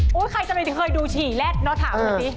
โอ้โฮ่ใครจะไม่เคยดูฉี่แรดน้อยถามดูดิ